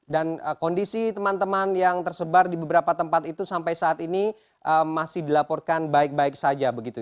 dan kondisi teman teman yang tersebar di beberapa tempat itu sampai saat ini masih dilaporkan baik baik saja begitu ya